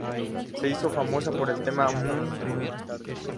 Se hizo famosa por el tema ""Mmm Mmm Mmm Mmm"".